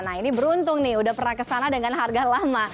nah ini beruntung nih udah pernah kesana dengan harga lama